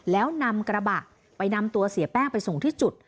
แล้วนำกระบะไปนำตัวเสียแป้งไปส่งที่จุด